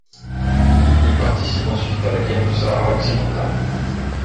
Il participe ensuite à la guerre du Sahara occidental.